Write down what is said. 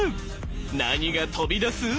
何が飛び出す？